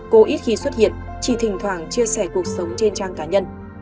cô ít khi xuất hiện chỉ thỉnh thoảng chia sẻ cuộc sống trên trang cá nhân